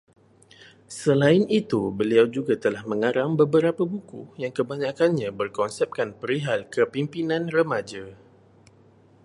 Selain itu, beliau juga telah mengarang beberapa buku yang kebanyakkannya berkonsepkan perihal kepemimpinan remaja